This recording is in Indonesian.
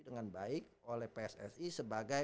dengan baik oleh pssi sebagai